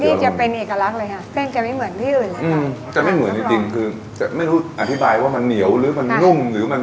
เส้นจะไม่เหมือนที่อื่นหรือเปล่าอืมจะไม่เหมือนจริงจริงคือจะไม่รู้อธิบายว่ามันเหนียวหรือมันนุ่มหรือมัน